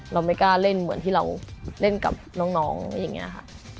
ไม่กล้าเล่นเหมือนที่เราเล่นกับน้องอย่างนี้ค่ะ